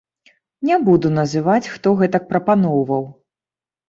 Не буду называць, хто гэтак прапаноўваў.